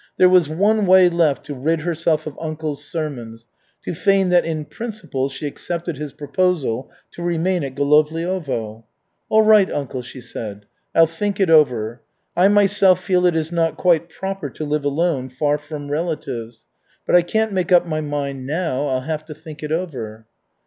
There was one way left to rid herself of uncle's sermons to feign that in principle she accepted his proposal to remain at Golovliovo. "All right, uncle," she said, "I'll think it over. I myself feel it is not quite proper to live alone, far from relatives. But I can't make up my mind now I'll have to think it over."